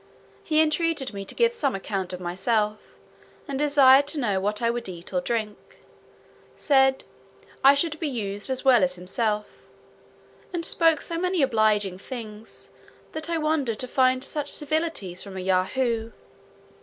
He entreated me to give some account of myself, and desired to know what I would eat or drink; said, "I should be used as well as himself;" and spoke so many obliging things, that I wondered to find such civilities from a Yahoo.